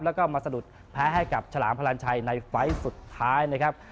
แล้วก็มาสะดุดแพ้ให้กับฉลามพลันชัยในไฟล์สุดท้ายนะครับ